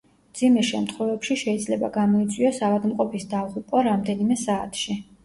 მძიმე შემთხვევებში შეიძლება გამოიწვიოს ავადმყოფის დაღუპვა რამდენიმე საათში.